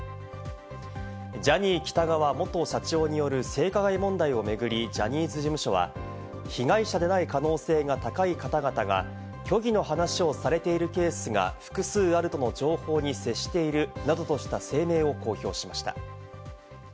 ジャニー喜多川元社長による性加害問題を巡り、ジャニーズ事務所は、被害者でない可能性が高い方々が虚偽の話をされているケースが複数あるとの情報に接しているなどとした声明を公表しました。